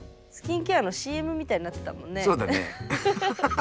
スキンケアのＣＭみたいになってたもんね。